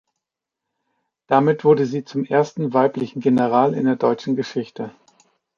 Damit wurde sie zum ersten weiblichen General in der deutschen Geschichte.